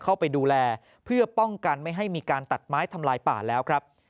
เข้าไปดูแลเพื่อป้องกันไม่ให้มีการตัดไม้ทำลายป่าแล้วครับ